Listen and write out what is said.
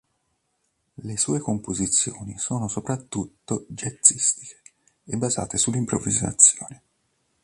Le sue composizioni sono soprattutto jazzistiche e basate sull'improvvisazione.